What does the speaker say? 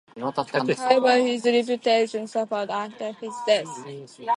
However, his reputation suffered after his death.